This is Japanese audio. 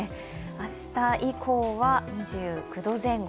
明日以降は２９度前後。